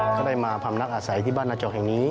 เขาได้มาผัมหลักอาศัยที่บ้านนาจอกแห่งนี้